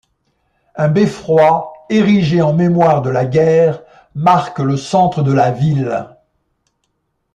Un beffroi, érigé en mémoire de la guerre, marque le centre de la ville.